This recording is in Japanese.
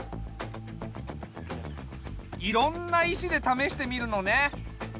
いろんな石でためしてみるのね。